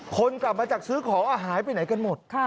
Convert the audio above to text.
คนกลับมาจากซื้อของหายไปไหนกันหมด